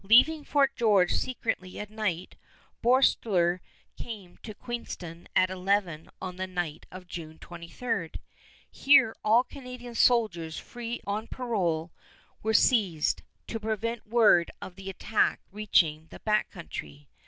Leaving Fort George secretly at night, Boerstler came to Queenston at eleven on the night of June 23. Here all Canadian soldiers free on parole were seized, to prevent word of the attack reaching the Back Country.